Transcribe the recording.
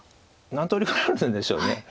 何通りぐらいあるんでしょう。